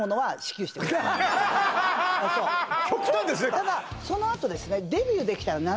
ただそのあとですね